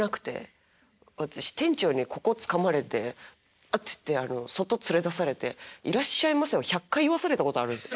私店長にここつかまれてあっつって外連れ出されて「いらっしゃいませ」を１００回言わされたことがあるんですよ。